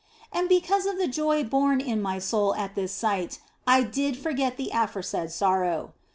And because of the joy born in my soul at this sight, I did forget the aforesaid sorrow.